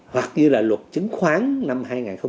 hoặc như là luật chứng khoán năm hai nghìn một mươi ba